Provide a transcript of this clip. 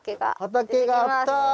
畑があった！